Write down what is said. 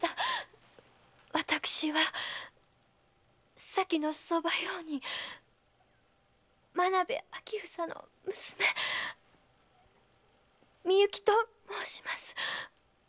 私は先の側用人間部詮房の娘美雪と申します。